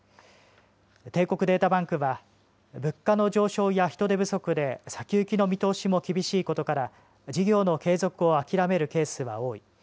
帝国データバンクは物価の上昇や人手不足で先行きの見通しも厳しいことから事業の継続を諦めるケースは多い。